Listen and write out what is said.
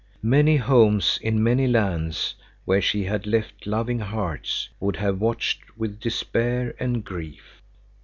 Many homes in many lands where she had left loving hearts would have watched with despair and grief.